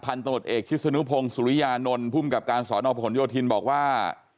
พันธนตรวจเอกชิษณภพงษ์ทสุริยาณนท์หุ้มกับการสอนอพหลโยธินบอกว่า